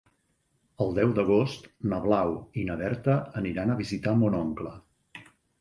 El deu d'agost na Blau i na Berta aniran a visitar mon oncle.